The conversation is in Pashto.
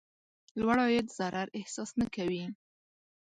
لوړ عاید ضرر احساس نه کوي.